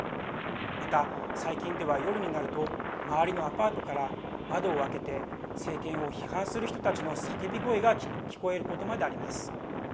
また最近では夜になると周りのアパートから窓を開けて政権を批判する人たちの叫び声が聞こえることまであります。